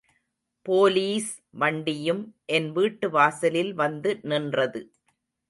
Police வண்டியும் என் வீட்டு வாசலில் வந்து நின்றது.